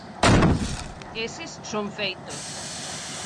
Eses son feitos.